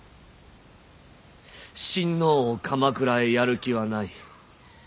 親王を鎌倉へやる気はない。